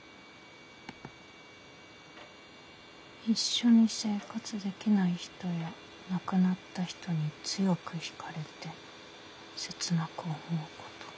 「一緒に生活できない人や亡くなった人に強く惹かれて切なく思うこと。